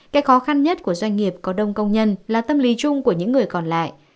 cái khó khăn nhất của doanh nghiệp có đông công nhân là tâm lý chung của những người còn lại